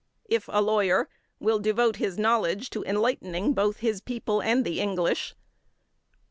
if a lawyer, will devote his knowledge to enlightening both his people and the English; 4.